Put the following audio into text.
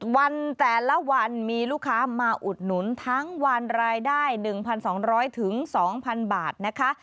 วันแต่ละวันมีลูกค้ามาอุดหนุนทั้งวันรายได้๑๒๐๐๒๐๐บาทนะคะ